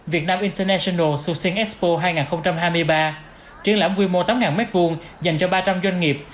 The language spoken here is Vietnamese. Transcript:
vietnam international succeed expo hai nghìn hai mươi ba triển lãm quy mô tám m hai dành cho ba trăm linh doanh nghiệp